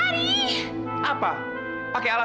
nah gitu dong